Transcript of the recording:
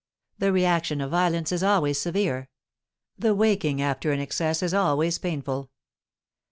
The reaction of violence is always severe; the waking after an excess is always painful.